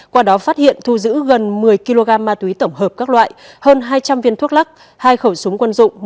qua đó phát hiện thu giữ gần một mươi kg ma túy tổng hợp các loại hơn hai trăm linh viên thuốc lắc hai khẩu súng quân dụng